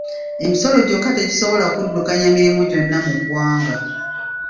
Emisolo gyokka tegisobola kuddukanya mirimu gyonna mu ggwanga.